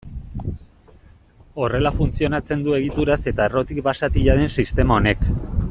Horrela funtzionatzen du egituraz eta errotik basatia den sistema honek.